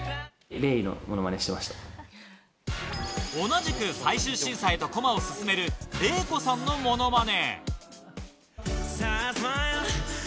同じく最終審査へと駒を進めるレイコさんのモノマネ。